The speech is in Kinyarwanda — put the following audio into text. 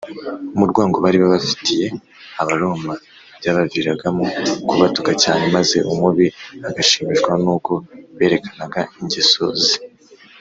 mu rwango bari bafitiye abaroma byabaviragamo kubatuka cyane, maze umubi agashimishwa n’uko berekanaga ingeso ze